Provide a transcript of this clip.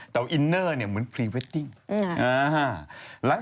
แต่ว่าอินเนอร์เนี่ยเหมือนพรีเวดดิ้ง